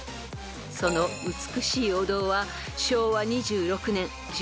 ［その美しいお堂は］